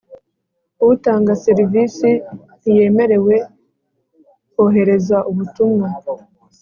Utanga serivisi ntiyemerewe kohereza ubutumwa